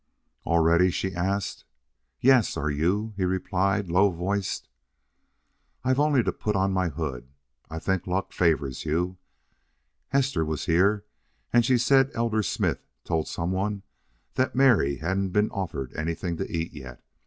"All ready?" she asked. "Yes. Are you?" he replied, low voiced. "I've only to put on my hood. I think luck favors you. Hester was here and she said Elder Smith told some one that Mary hadn't been offered anything to eat yet.